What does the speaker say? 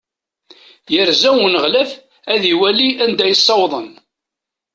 Yerza uneɣlaf ad iwali anda i ssawḍen.